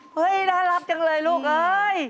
ฮ่ยน่ารัฐจังเลยลูกเอ๊ย